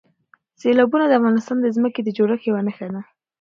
سیلابونه د افغانستان د ځمکې د جوړښت یوه نښه ده.